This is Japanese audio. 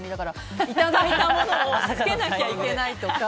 いただいたものをつけなきゃいけないとか。